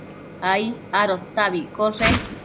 ai adota abi iccoshe